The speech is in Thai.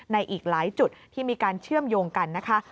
ในอีกหลายจุดที่มีการเชื่อมโยงกันนะคะ